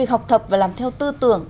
học tập và làm theo tư tưởng